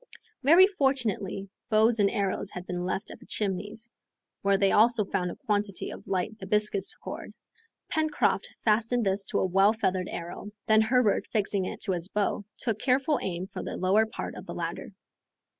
Very fortunately bows and arrows had been left at the Chimneys, where they also found a quantity of light hibiscus cord. Pencroft fastened this to a well feathered arrow. Then Herbert fixing it to his bow, took a careful aim for the lower part of the ladder.